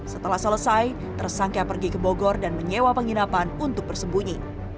setelah selesai tersangka pergi ke bogor dan menyewa penginapan untuk bersembunyi